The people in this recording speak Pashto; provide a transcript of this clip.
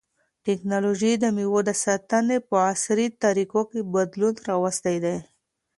تکنالوژي د مېوو د ساتنې په عصري طریقو کې بدلون راوستی دی.